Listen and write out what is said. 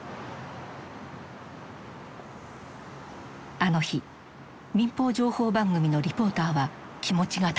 あの日民放情報番組のリポーターは気持ちが高ぶっていた。